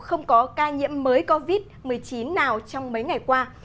không có ca nhiễm mới covid một mươi chín nào trong mấy ngày qua